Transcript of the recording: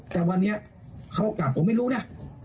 แต่วันนี้เขากลับผมไม่รู้นะ